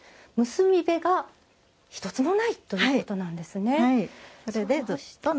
結び目が１つもないということなんですね。